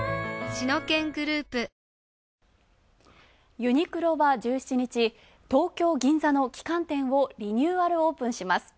ユニクロは１７日、東京・銀座の旗艦店をリニューアルオープンします。